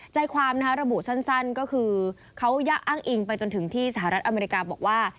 ใจความระบุสั้นก็คือเขายะอ้างอิงไปจนถึงที่สหรัฐอเมริกาบอกว่า